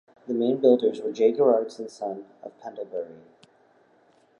The main builders were J. Gerrard's and Son of Pendlebury.